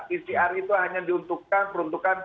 pcr itu hanya diuntukkan peruntukan